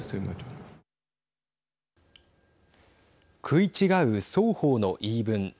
食い違う双方の言い分。